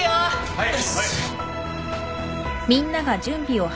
はい。